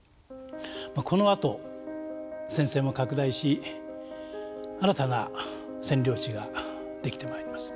このあと戦線は拡大し新たな占領地が出来てまいります。